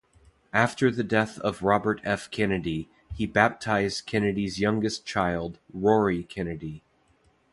After the death of Robert F. Kennedy, he baptized Kennedy's youngest child, Rory Kennedy.